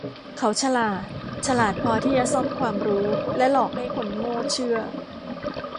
เขาฉลาด ฉลาดพอที่จะซ่อมความรู้และหลอกให้คนโง่เชื่อ